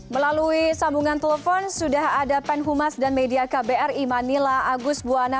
melalui sambungan telepon sudah ada penhumas dan media kbri manila agus buwana